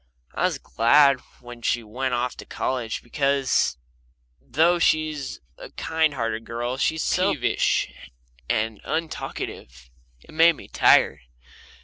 I was glad when she went off to college, because, though she's a kind hearted girl, she was so peevish and untalkative it made me tired.